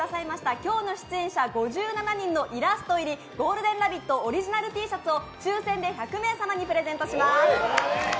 今日の出演者５７人のイラスト入り「ゴールデンラヴィット！」オリジナルＴシャツを抽せんで１００名様にプレゼントします。